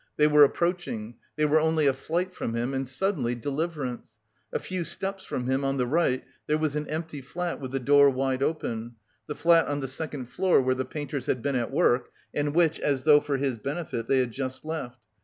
They were approaching; they were only a flight from him and suddenly deliverance! A few steps from him on the right, there was an empty flat with the door wide open, the flat on the second floor where the painters had been at work, and which, as though for his benefit, they had just left.